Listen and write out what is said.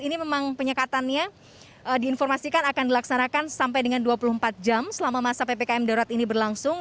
ini memang penyekatannya diinformasikan akan dilaksanakan sampai dengan dua puluh empat jam selama masa ppkm darurat ini berlangsung